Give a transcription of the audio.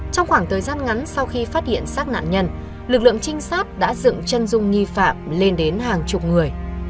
trong khoảng thời gian ngắn sau khi phát hiện sát nạn nhân lực lượng trinh sát đã dựng chân dung nghi phạm lên đến hàng chục người